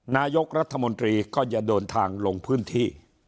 นายกรัฐมนตรีก็จะเดินทางลงพื้นที่